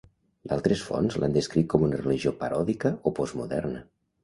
D'altres fonts l'han descrit com una religió paròdica o postmoderna.